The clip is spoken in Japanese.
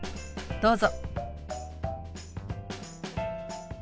どうぞ。